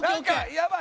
やばい。